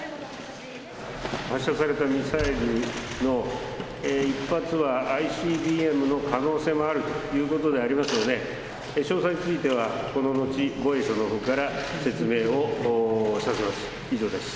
発射されたミサイルの１発は、ＩＣＢＭの可能性もあるということでありますので、詳細については、この後、防衛省のほうから説明をさせます。